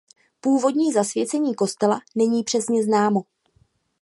Původní zasvěcení kostela není přesně známo.